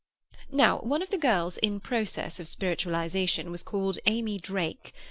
"Now one of the girls in process of spiritualization was called Amy Drake.